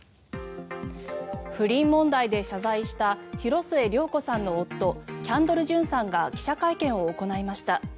不倫問題で謝罪した広末涼子さんの夫キャンドル・ジュンさんが記者会見を行いました。